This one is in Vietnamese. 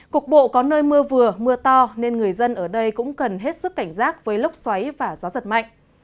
cục bộ có nơi mưa vừa mưa to nên người dân ở đây cũng cần hết sức cảnh giác với lốc xoáy và gió giật mạnh